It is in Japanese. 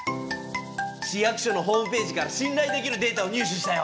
市役所のホームページから信頼できるデータを入手したよ！